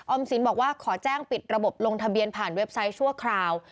สินบอกว่าขอแจ้งปิดระบบลงทะเบียนผ่านเว็บไซต์ชั่วคราว